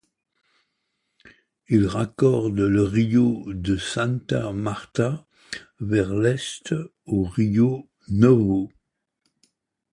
Il raccorde le rio de Santa Marta vers l'est au rio Novo.